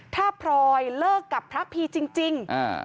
ถ้าพลอยเลิกกับพระพีจริง